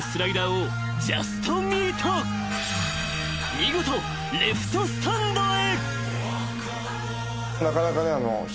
［見事レフトスタンドへ］